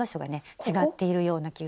違っているような気がします。